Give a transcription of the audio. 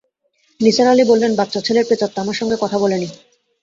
নিসার আলি বললেন, বাচ্চা ছেলের প্রেতাত্মা আমার সঙ্গে কথা বলে নি।